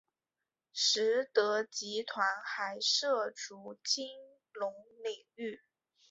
实德集团还涉足金融领域。